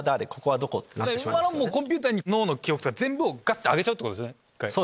コンピューターに脳の記憶とか全部を上げちゃうってことですよね。